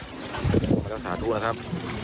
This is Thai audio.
เข้ามาแล้วสาธุนะครับ